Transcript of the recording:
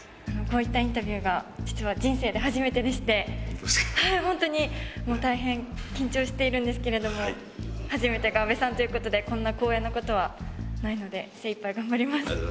こういったインタビューが実は人生で初めてでしてホントに大変緊張しているんですけれども初めてが阿部さんということでこんな光栄なことはないので精いっぱい頑張ります